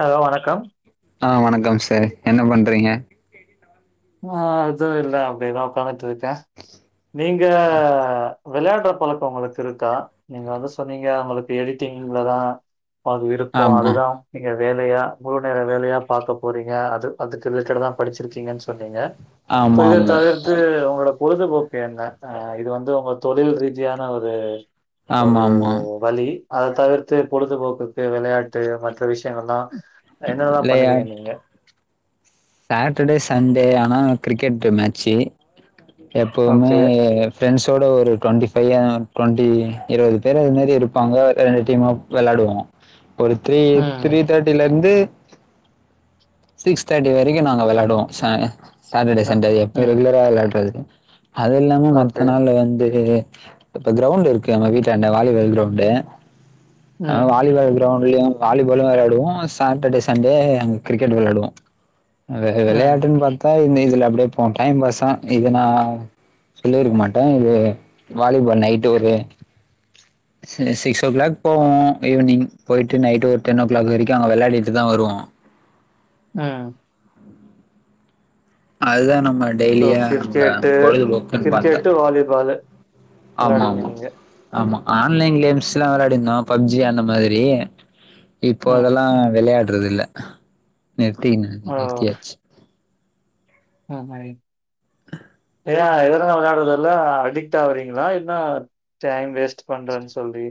Hello வணக்கம் ஆ வணக்கம் சார் என்ன பண்றீங்க ஆ எது இல்ல அப்டியேதா ஓகாந்துட்ருக நீங்க விளையாடுற பழக்கோ உங்களுக்கிருக்கா நீங்க வந்து சொன்னீங்க நமளுக்கு எடிட்டிங்ல தான் அது இருப்போம் ஆமா அதுதான் நீங்க வேலையா முழு நேரம் வேலையா பாக்க போறீங்க அது அதுக்கு ரிலேட்டட் தான் படிச்சிருக்கீங்க சொன்னீங்க சோ ஆமா இத ஆமா தவிர்த் து உங்களோட பொழுதுபோக்கு என்ன ஆ இது வந்து உங்க தொழில் ரீதியான ஒரு ஆமா ஆமா வலி அத தவிர்த்து பொழுதுபோக்குக்கு விளையாட்டு மற்ற விஷயங்கள்ல்லா என்னலா பண்ணுவீங்க விளையாட் நீங்க சாட்டர்டே சண்டே ஆனா கிரிக்கெட்ட மேட்சு எப்பவுமே ஓகே. ஃப்ரெண்ட்ஸோட ஒரு டுவெண்ட்டி ஃபைவ் டுவெண்ட்டி இருபது பேர் அதுமாரி இருப்பாங்க ரெண்டு டீமாக விளாடுவோ ஒரு த்ரீ ம். த்ரீ தேர்ட்டிலந்து சிக்ஸ் தேர்ட் வரைக்கும் நாங்க விளையாடுவோம் சாட்டர்டே அ சண்டே எப்பய ம். ரெகுலரா விளையாடுறது அது இல்லாம மத்த ஓகே. நாள் வந்து இப்ப கிரௌண்ட் இருக்கு நம்ம வீட்டல அண்ட வாலிபால் கிரௌண்டு் ம். வாலிபால் கிரௌண்ட்லயும் வாலிபாலும் விளாடுவோம் சாட்டர்டே சண்டே அங்க கிரெட் விளையாடுவோம் ம். விளையாட்டுன்னு பாத்தா இந்த இதுல அப்படியே போம் டைம் பாஸ் இதுனான் சொல்ல இருக்க மாட்டேன் இது வாலிபால் நைட் ஒரு ச சிக்ஸ் ஓ கிளாக் போவோம் ஈவினிங் போயிட்டு நைட் ஒரு டென் ஓ கிளாக் வரைக்கும்ங்க விளையாடிட்டு தான் வருவோம் உம் அதுதான் நம்ம ஸோ டெய்லியா அங்க கிரிக்கெட்டு பொழுதுபோக்குன்னு பாத்த கிரிக்கெட்டு, வாலிபாலு ஆமா வெளாடுவீங்க ஆமா நீங்க? ஆமா ஆன்லைன் கேம்ஸ்லா விளையாடிருந்தோ பப்ஜி அந்த மாதிரி இப்போ ம். அதெல்லா விளையாடுறதுல்ல நிருத்தினா ஓ! நிருத்தியாச்சு தாமரை [unintelligible] நல்லா அடிக்ட் ஆவறீங்களா என்ன டைம் வேஸ்ட் பண்றன் சொல்லி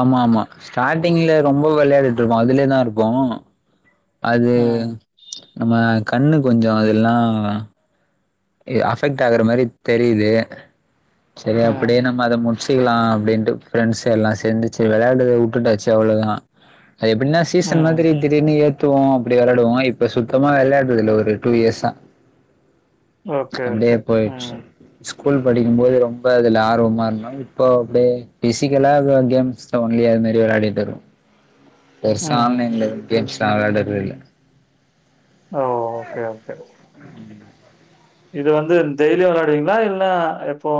ஆமாம்மா ஸ்டார்ட்டிங்ல ரொம்ப விளையாடிட்ருப்போ அதுலே தா இருக்கு அது ம். நம்ம கண்ணு கொஞ்சோ அதுலா அஃபெக்ட் ஆகுற மாரி தெரிது செரி ம். அப்படே நம்ம அத மு ச்சிக்கலா அப்டின்ட்டு பிரண்ட்ஸ் எல்லா சேந்து சேர் விளையாடுறத உட்டுட்டு டச்சு அவ்ளோ தா அது எப்டின்னா சீசன் ம். மாதிரி திடீர்ன்னு ஏத்துவோ அப்படி வெளையாடுவோ இப்ப சுத்தமா வெளையாடுறதுல்ல ஒரு டூ இயர்ஸ்ஸா ஓகே, ஓகே. அப்டியே போயிர்ச்சு ம். ஸ்கூல் படிக்கும்போது ரொம்ப அதுல ஆர்வமா இருந்த இப்போ அப்டே பிசிக்கலா எதோ கேம்ஸ் டவுன்லயே அது மேரி வெளையாடிட்டு வருவோ பெருசா ம். ஆன்லைன்ல எது கேம்ஸ்லா வெளாடுறது இல்ல ஓ ஓகே ஓகே இது வந்து டெய்லியு வெளையாடுவீங்களா இல்ல எப்போ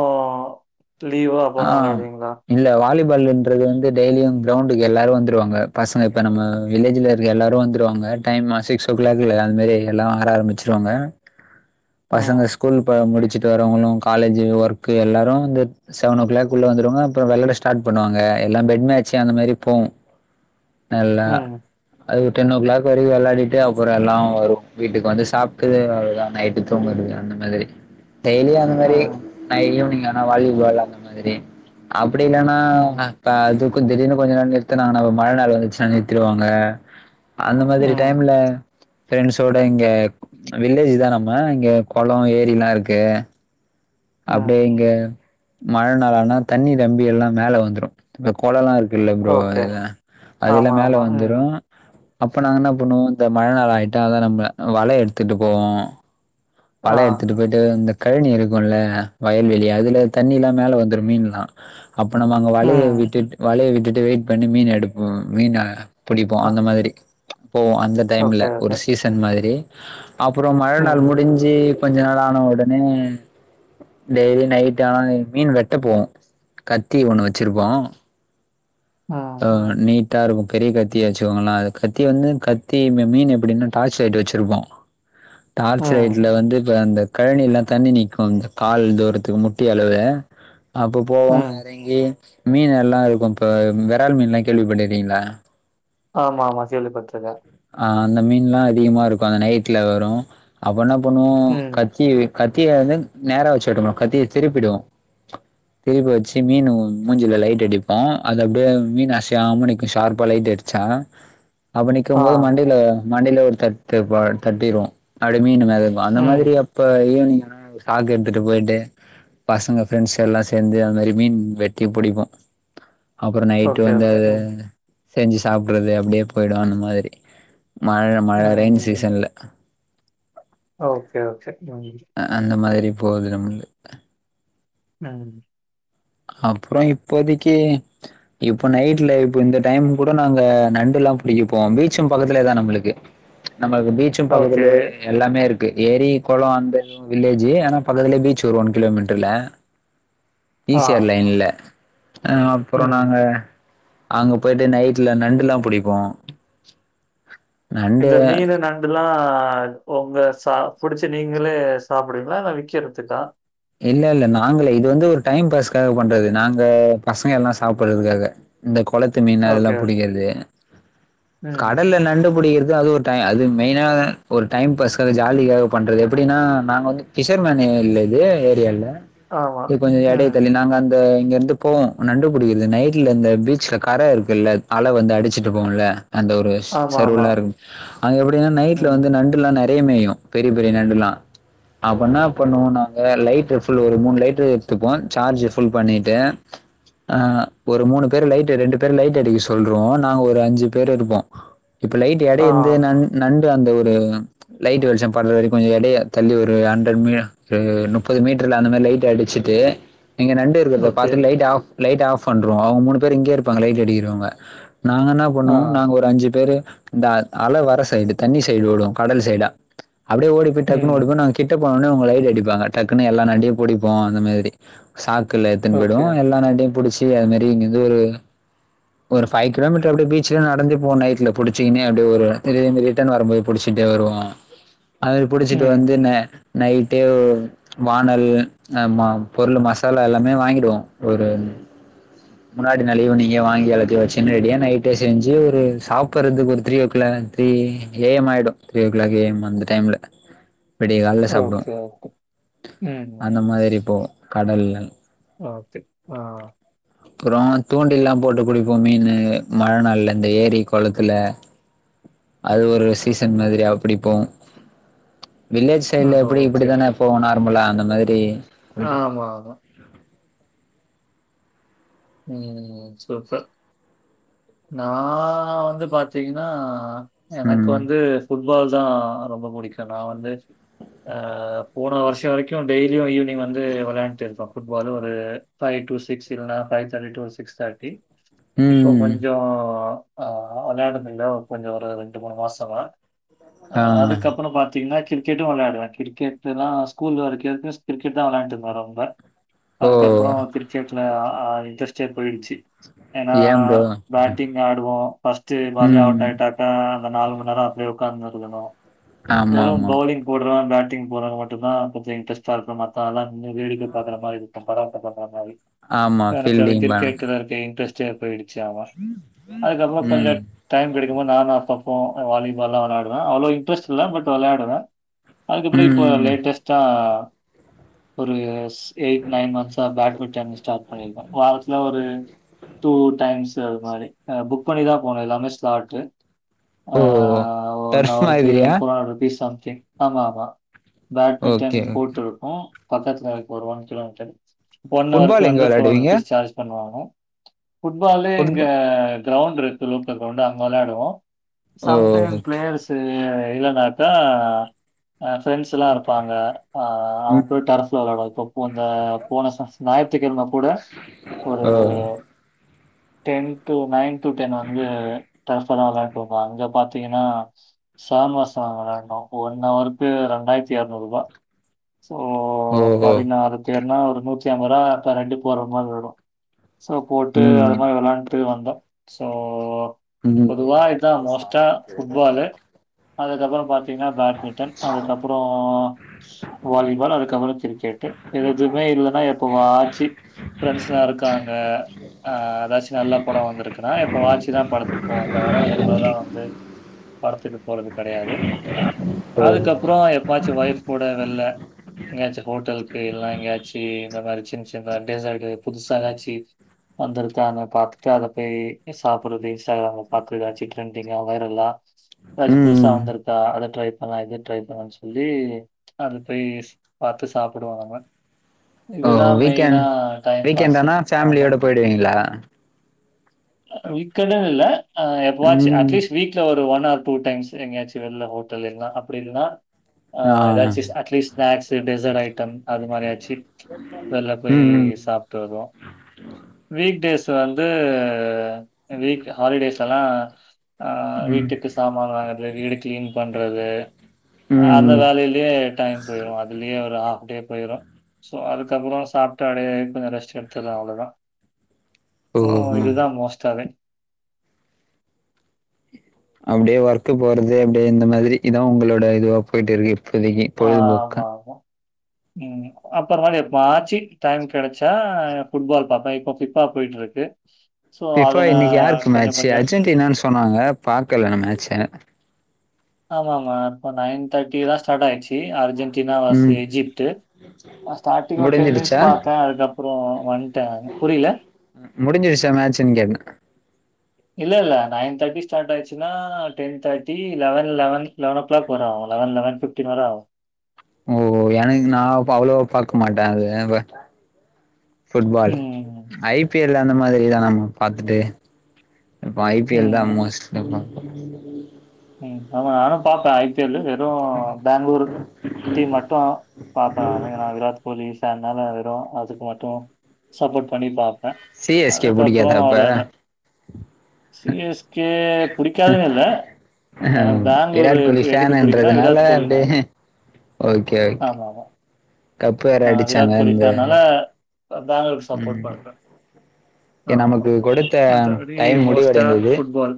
லீவா ஆ அப்பதா விளையாடுவீங்களா இல்ல வாலிபால்ன்றது வந்து டெய்லியு கிரௌண்டுக்கு எல்லாரு வந்துருவாங்க பசங்க இப்ப நம்ம வில்லேஜ்ல எல்லாரு வந்துருவாங்க டைம் சிக்ஸ் ஓ கிளாக்கு அந்மேரி எல்லா வர ஆரம்பிச்சிருவாங்க [unintelligible] பசங்க ம். ஸ்கூல் ப முடிச்சிட்டு வரவங்களு காலேஜ்ஜு ஒர்க்கு எல்லாரு இந்த செவன் ஓ கிளாக் உள்ள வந்துருவாங்க அப்றோ வெள்ளட ஸ்டார்ட் பண்ணுவாங்க எல்லா பெட் மேட்ச்சு அந்தமாரி போவோ நல்லா ம். அது ஒரு டென் ஓ கிளாக் வரைக்கு வெளாடிட்டு அப்பறோ எல்லா வரு வீட்டுக்கு வந்து சாப்ட்டுது அவ்ளதா நை ட்டு தூங்கறது அந்த மாதிரி டெய்லியு அந்த மாரி ம். னா ஈவ்னிங் ஆனா வாலிபால் அந்த மாதிரி அப்படி இல்லன்னா ம். ப தூக்கோ திடீர்ன்னு கொஞ்ச நேர நிறுத்தனாங்கனா ஒரு மர நெழ வந்துச்சுனா நிறுத்திறுவாங்க அந்த மாதிரி ம். டைம்ல ஃப்ரெண்ட்ஸோட இங்க வில்லேஜ் தா நம்ம இங்க கொளோ ஏரிலா இருக்கு அப்டே ம். இங்க மழ நாளனா தண்ணி நம்பி எல்லா மேல வந்துரு இப்ப கொளலா இருக்குல்ல ப்ரோ ஓகே. அதுல அது எல்லா ஆமா, மேல ஆமா. ம். வந்துரு அப்ப நாங்க என்ன பண்ணுவோ இந்த மழனால ஆயிட்டா அதா நம்ன வல எடுத்துட்டு போவோ ஆ. வல எடுத்துட்டு போயிட்டு இந்த கழினி இருக்குல்ல வயல்வெளி அதுல தண்ணிலா மேல வந்துரு மீன்லா அப்ப நம்ம அங்க வலய ம். விட்டுட் வலய விட்டுட்டு வெயிட் பண்ணி மீன் எடுப்போ மீன புடிப்போ ஆ. அந்த மாதிரி போவோ அந்த டைம்ல ஓகே, ஓகே. ஒரு சீசன் மாதிரி அப்பறோ மழ ம், நாள் முடிஞ்சி கொஞ்ச நாள் ஆன உடனே டெய்லி நைட் ஆனா மீன் வெட்ட போவோ கத்தி ஒன்னு வெச்சிருப்போ அ ம், நீ ட்டா இருக்கு பெரிய கத்தி வெச்சுக்கோங்னா அது கத்தி வந்து கத்தி மி மீன் எப்படின்னா டார்ச் லைட் வெச்சிருப்போ டார்ச் ம், லைட்ல வந்து இப்ப அந்த கழனிலா தண்ணி நிக்கு இந்த கால் தூரத்துக்கு முட்டி அளவே அப்ப போவோ ம். எறங்கி மீன் எல்லா இருக்கு இப்ப வெறால் மீன்லா கேள்வி பட்ருக்கிங்களா ஆமாம்மா கேள்வி பட்ருக்கே அ அந்த மீன்லா அதிகமா இருக்கு அந்த நைட்ல வரு அப்ப என்ன பண்ணுவோ ம். கத்திய கத்திய வந்து நேரா வச்சு வெட்டணு கத்திய திருப்பிடுவோ [inaudible] திருப்பி வச்சு மீனு மூஞ்சில லைட் அடிப்போ அது அப்படியே மீனு அசையாம நிக்கு ஷார்ப்பா லைட் அடிச்சா அப்ப நீ ஆ. க்கும்போது மண்டைல மண்டைலே ஒரு தட்டு வ தட்டிர்வே அப்டி மீனு மெதக்கு அந்த ம். மாதிரி இப்ப ஈவினிங்னா ஒரு சாக்கு எடுத்துட்டு பொயிட்டு பசங்க ஃபிரெண்ட்ஸ் எல்லா சேந்து அந்த மாதிரி மீன் வெட்ரி புடிப்போ அப்றோ நைட்டு ஓகே, வந்து ஓகே. அது ம். செஞ்சி சாப்பறது அப்டியே பொயிடு அந்த மாதிரி மழ மழ ம், ரெயின் ம். சீசன்ல ஓகே ஓகே ம் அந்த மாதிரி போது நம்ல்து நான் அப்றோ இப்போதிக்கி இப்போ நைட்ல இப்ப இந்த டைம் கூட நாங்க நண்டுலா புடிக்க போவோ பீச்சு பக்கத்துல தா நம்ளுக்கு நம்மளுக்கு பீச்சு ஓகே. பக்கத்திலே எல்லாமே இருக்கு ஏரி கொள அந்த இதுவு வில்லேஜி ஆனா பக்கத்துலே பீச்சு வரு ஒன் கிலோமீட்டருல ஆ. ஈஸியார் லைன்ல ஆ அப்புறோ ம். நாங்க அங்க பொயிட்டு நைட்ல நண்டுலா புடிப்போ நண்டு இந்த மீனு நண் இதெல்லா ஒங்க ச புடிச்சு நீங்களே சாப்புடுவிங்களா இல்ல விக்கறதுக்கா இல்ல இல்ல நாங்களே இது வந்து ஒரு டைம் பாஸ்காக பண்றது நாங்க பசங்க எல்லா சாப்பறதுக்காக இந்த கொளத்து மீனா ஓகே, அதெல்லா ஓகே. புடிக்கிறது ம். கடல்ல நண்டு புடிக்கிறது அது ஒரு த அது மெயினாக ஒரு டைம் பாஸ்காக ஜாலிக்காக பண்றது எப்டின்னா நாங்க வந்து ஃபிஷர்மேனு இல்ல இது ஏரியால ஆமா. இது கொஞ்ச எடைய ம். தள்ளி நாங்க அந் போ இங்க இருந்து போவோ நண்டுபுடிக்கறது நைட்ல இந்த பீச்ல கர இருக்குல்ல அல வந்து அடிச்சிட்டு போவுல்ல அந்த ஒரு ஸ் ஆமா, ஆமா. சர்வுலா இருங் அங்க எப்டினா நைட்ல ம். வந்து நண் டுலா நெறைய மேயு பெரிய பெரிய நண்டுல்லா அப்ப என்னா பண்ணுவோ நாங்க லைட்டர் ஃபில் ஒரு மூணு லைடர் எடுத்துப்போ சார்ஜு பில் பண்ணிட்டே ஆ ஒரு மூணு பேரு லைட்டு ரெண்டு பேரு லைட்டு அடிக்க சொல்ருவோ நாங்க ஒரு அஞ்சி பேரு இருப்போ இப்ப லைட்டு ஆ. எடைய இருந்தது நான் நண்டு அந்த ஒரு லைட்டு வெளிச்ச படுற வரைக்கு கொஞ்ச எடைய தள்ளி ஒரு ஹண்ட்ரட் மீ ஒரு நுப்பது மீட்ரு நா இன்னமேலு லைட்டு அடிச்சிட்டு நீங்க நண்டு இருக்கறத ஓகே. பாத்துட்டு லைட்ட ஆஃப் லைட்டு ஆஃப் பண்ருவோ அவங்க மூணு பேரு இங்கே இருப்பாங்க லைட் அடிக்கிறவங்க நாங்கென்னா ஆ. பண்ணுவோ நாங்க ஒரு அஞ்சி பேரு இந்த அ அல வர சைடு தண்ணி சைடு ஓடு கடல் சைடா அப்டியே ஓடி போய் டக்குன்னு ம். ஓடி போய் நாங் கிட்ட போனோனே அவங்க லைட்டு அடிப்பாங்க டக்குன்னு எல்லா நண்டையு புடிப்போ அந்த மாதிரி சாக்கில்ல எத்துன்னு ஓகே. பொய்டுவோ எல்லா நாண்டையு புடிச்சி அது மாதிரி இங்க ஒரு ஒரு ஃபைவ் கிலோமீட்டர் அப்டியே பீச்லே நடந்து போ நைட்ல புடிச்சிங்க அப்டியே ஒரு திரும்பி ரிட்டர்ன் வரும்போது புடிச்சிட்டே வருவாங்க அது புடிச்சிட்டு ம். வந்து நே நைட்டே வானல் அ ம பொருள் மசாலா‌ எல்லாமே வாங்கிடுவோ ஒரு முன்னாடி நள்லே ஈவினிங்கே வாங்கி எல்லாதியு வச்சுகின்னு ரெடியா நைட்டு செஞ்சி ஒரு சாப்பறதுக்கு ஒரு த்ரீ ஓ கிளா த்ரீ ஏம் ஆயிடு த்ரீ ஓ கிளாக் ஏம் அந்த டைம்ல விடிய கால்ல சாப்டுவோ ஓகே, ஓகே. ம். அந்த மாதிரி இப்போ கடல்கள் ஓகே ஆ அப்றோ தூண்டில்லா போட்டு புடிப்போ மீனு மழநாள்ல இந்த ஏரி கொளத்துல அது ஒரு சீசன் மாதிரி அப்டிபோவோ வில்லேஜ் சைட்ல ஆஹா. எப்படி ஓகே, இப்படி தானே ஓகே. போவோ நார்மலா அந்த மாதிரி ஆமா ஆமா ம் சூப்பர் நா வந்து பாத்தீங்கன்னா எனக்கு ம் வந்து ஃபுட்பால் தா ரொம்ப புடிக்கு நா வந்து ஆ போன வர்ஷொ வரைக்கும் டெய்லியும் ஈவினிங் வந்து வெளையாண்டு இருப்போ ஃபுட்பாலு ஒரு ஃபைவ் டூ சிக்ஸ் இல்லன்னா ஃபைவ் தேர்ட்டி டூ சிக்ஸ் தேட்டி இப்போ ம் கொஞ்ச ஆ அனாடாமில கொஞ்ச ஒரு ரெண்டு மூனு மாசமா ஆ அதுக்கப்புற பாத் தீங்கன்னா கிரிக்கெட்டும் விளையாடுவேன் கிரிக்கெட் லா ஸ்கூல்ல வரைக்கு கிரிக்கெட் தா விளான்ட்டுருந்தன் ரொம்ப ஓ அதுக்கப்புற கிரிக்கெட்ல அ இன்ட்ரெஸ்டே போயிடுச்சு ஏன்னா ஏன் ப்ரோ பேட்டிங் ஆடுவோ ஃபஸ்ட் பால்ய ம் அவுட் ஆயிட்டா அ அந்த நாலு மண் நேர அப்டியே உக்காந்து இருக்கணு ஆமா வெறு ஆமா பவுலிங் போட்ற பாட்டிங் போட்றவங்க மட்டுந்தா கொஞ்ச இன்ட்ரஸ்ட் இருக்கும் மத்தவங்கல்லா நின்னு வேடிக்கை பாக்குற மாரி இருக்கு பராக்கு பாக்குற மாரி ஆமா ஃபீல்டிங் மேம் இதுல இருக்க இன்ட்ரெஸ்ட்டே போயிடுச்சு ஆமா அதுக்கப்புற கொஞ்சொ ம் டைம் கெடைக்கும்போ நானு அப்பப்பம் வாலிபால்லா வெளாடுவே அவ்வள இன்ரெஸ்ட்ல்ல பட் வெளாடுவே அதுக்கப்புற இப்போ ம் லேட்டஸ்ட்டா ஒரு எயிட் நைன் மந்த்ஸ் ஆ பேட்மிண்டன் ஸ்டார்ட் பண்ணியிருக்கே வாரத்துல ஒரு டூ டைம்ஸ் அது மாதிரி புக் பண்ணிதா போனும் எல்லாமே ஸ்லாட்டு ஆ ஓ ஒன் டர்ஃப் அவர்க்கு மாதிரியா போர் ஹண்ட்ரட் ருபீஸ் சம்திங் ஆமா ஆமா பேட்மிண்டன் ஓகே ஓகே கோர்ட் இருக்கும் பக்கத்துல இருக்கு ஒரு ஒன் கிலோமீட்டர் ஒன் அவர்க்கு ஃபுட்பால் எங்க வந்து போர் ஹண்ரட் வெளாடுவீங்க ருபீஸ் சார்ஜ் பண்ணுவாங்க புட்பாலு இங்க ஃபுட்பா கிரவுண்ட் இருக்குலூக்க கிரௌண்ட் இருக்கு லோக்கல் க்ரௌன்டு அங்க வெளையாடுவோ ஓ சம்டைம் ஓகே பிளேயர்ஸ் து இல்லனாட்டா அ ஃப்ரெண்ட்ஸ் எல்லா இருப்பாங்க ஆ அவங்க கூட ம் டர்ஃப்ல விளையாடுவோ இப்பப்போ போன ஞாயித்துக்கெழம கூட ஒரு ஓ ten to nine to ten வந்து டர்ப்வெல்லா விளையாட்டுவாங்க அங்க பாத்தீங்கன்னா சா மாசொ விளாண்டோ ஒன் அவருக்கு ரெண்டாயிரத்தி எரநூறு ரூபா ஓ ஓ ஓ பதினாறு பேருனா ஒரு நூத்தி அம்பது ரூபா [unintelligible] போற மாரி இருக்கும் சோ போட்டு அது ம் மாரி வெளாண்டு வந்தோ சோ ம் பொதுவா இதா மோஸ்டா புட்பாலு அதுக்கப்புற பாத் தீங்கனா பேட்மிட்டன் அதுக்கப்புற வாலிபால் அதுக்கப்புற கிரிக்கெட்டு எதுவுமே இல்லன்னா எப்ப வாச்சு பிரெண்ட்ஸ் லா இருக்காங்க ஆ எதாச்சு நல்ல படொ வந்திருக்குன்னா எப்பவாச்சி தான் படத்துக்கு போவோ தவிர ரெகுலரா வந்து படத்துக்கு போறது கெடையாது ஓ அதுக்கப்புற எப்பவாச்சு ஒய்ஃப் கூட வெள்ல எங்கேயாச்சு ஹோட்டல்க்கு இல்லனா எங்கேயாச்சு இந்த மாதிரி சின்ன சின்னதா டெசர்டு புதுசா எதாச்சு வந்திருக்கு அங்க பாத்துட்டு அதை போய் சாப்பிடுறது இன்ஸ்டாகிராம பாத்து எதாச்சு டிரேண்டிங்கா வைரல்லா எதாச்சு புதுசா ம் வந்திருக்கா அத ட்ரை பண்ணலா இத ட்ரை பண்ணலானு சொல்லி அது போய் பாத்து சாப்பிடு நாங்க ஓ இதுதா மெயினா வீக்கெண்ட் டைம் வீக்கெண்ட் ஆனா ஃபேமிலியோட போயிடுவீங்களா வீக்கன்ட்டுன்னு இல்ல எப்பவாச்சு ம் அட்லீஸ்ட் வீக் ல ஒரு ஒன் ஆர் டூ டைம்ஸ் எங்கயாச்சு வெள்ல ஹோட்டலு எல்லா அப்படி இல்லனா ஆ எதாச்சு அட்லீஸ்ட் ஸ்நாக்ஸ் டெசர்ட் ஐட்டம் அது மாதிரியாச்சு வெள்ல போய் ம் ம் சாப்ட்டு வருவோ வீக் டேஸ் வந்து வீக் ஹாலிடேஸ் எல்லா ஆ ம் ம் வீட்டுக்கு சாமான் வாங்கறது வீடு கிளீன் பண்றது அந்த ம் வேலையில் ப்டியே டைம் போயிரு அதுலயே ஒரு ஆஃப் டே போயிரு சோ அதுக்கப்புற சாப்படு அப்டியே கொஞ்ச ரெஸ்ட் எடுத்தறே அவ்ளோதா ஓ இதுதா மோஸ்டா வே அப்டியே ஒர்க்கு போறது அப்டியே இந்த மாதிரி இதா உங்களோட இதுவா போயிட்டு இருக்கு இப்போதைக்கு பொழுதுபோக்கா ஆமாமா. ம் அப்புற மாரி எப்பாச்சி டைம் கெடைச்சா ஃபுட்பால் பாப்பே இப்போ ஃபுட்பால் போயிட்டு இருக்கு ஃபிஃபா இன்னைக்கு யாருக்கு மேட்சு அர்ஜென்டினான்னு சொன்னாங்க பாக்கல நா மேட்ச ஆமா ஆமா இப்ப நைன் தேர்டி தா ஸ்டார்ட் ஆயிச்சு டி அர்ஜென்டினா வாச ம். எஜிப்ட்டு ஸ்டார்ட்டிங் ஒரு டென் முடிஞ்சிடுச்சா? மினிட்ஸ் பாத்தே அதுக்கப் அப்புறோ வன்ட்டே நானு புரில முடிஞ்சுருச்சா மேட்சுன்னு கேட்டே இல்ல இல்ல நைன் தேர்ட்டி ஸ்டார்ட் ஆயருச்சுனா டென் தேட்டி eleven eleven eleven o'clock வர ஆகு லவன் லவன் ஃபி ஃப்டின் வர ஆகு ஓ ஓ எனக்கு நா இப்ப அவ்ளோ பாக்க மாட்டே அது ஃபுட்பால் ம். ஐபிஎல் அந்த மாதிரிதா நம்ம பாத்துட்டு இப்ப ஐபிஎல் தா ம். மோஸ்டா பாப்போ ம் ஆமா நானு பாப்பே ஐபிஎல்லு அப்றோ பாங்களூர் டீம் மட்டு பாப்பே ஏனா விராத் கோலி அதனால வெறு அதுக்கு மட்டு சப்போர்ட் பண்ணி பாப்பே சிஎஸ்கே அதுக்கப்புற புடிக்காதா அப்ப? ஒரு [unintelligible] சிஎஸ்கே புடிக்காதுன்னு இல்ல அ பாங்களூரு விராட் கோலி எதுக்கு பிடிக்கன்னா ஃபேனுன்றதுனால விராத் கோலினால அப்படியே ஓகே ஓகே. ஆமா ஆமா கப் வேற ஆ அடிச்சாங்க விராத் கோலி இந்த ஃபேன்னால அதா அவருக்கு சப்போர்ட் பண்றே ஆ நமக்கு கொடுத்த மத்தபடி டைம் மோஸ்டா முடிவடைந்தது. ஃபுட்பால்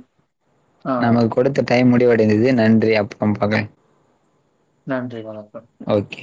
ஆ நமக்கு கொடுத்த டைம் முடிவடைந்தது நன்றி அப்பறோ பாக்க நன்றி வணக்க ஓகே